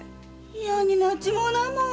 やになっちまうなもう。